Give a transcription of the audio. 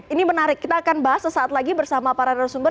ini menarik kita akan bahas sesaat lagi bersama para narasumber